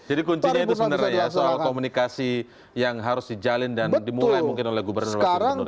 jadi kuncinya itu sebenarnya ya soal komunikasi yang harus dijalin dan dimulai mungkin oleh gubernur mas anies